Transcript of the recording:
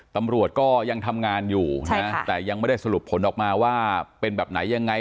ตำรวจก็ยังทำงานอยู่นะแต่ยังไม่ได้สรุปผลออกมาว่าเป็นแบบไหนยังไง